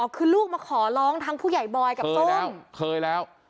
อ๋อคือลูกมาขอร้องทั้งผู้ใหญ่บ่อยกับส้มเคยแล้วเคยแล้ว